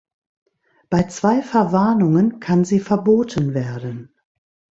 Bei zwei Verwarnungen kann sie verboten werden.